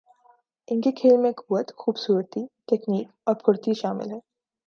ان کے کھیل میں قوت، خوبصورتی ، تکنیک اور پھرتی شامل ہے